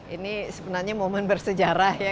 ini sebenarnya momen bersejarah ya